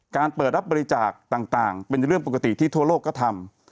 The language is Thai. เปิดรับบริจาคต่างเป็นเรื่องปกติที่ทั่วโลกก็ทำ